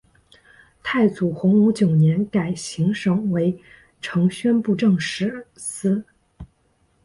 太祖洪武九年改行省为承宣布政使司。